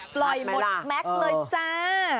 ปล่อยหมดแม็กซ์เลยจ้า